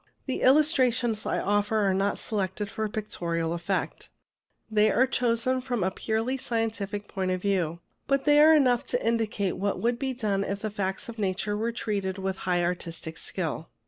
The illustrations I offer are not selected for PREFACE vii pictorial effect ; they are chosen from a purely scientific point of view ; but they are enough to indicate what could be done if the facts of nature were treated with high artistic skill.